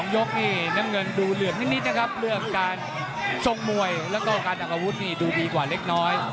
ยกนี่น้ำเงินดูเหลือมนิดนะครับเรื่องการทรงมวยแล้วก็การดักอาวุธนี่ดูดีกว่าเล็กน้อย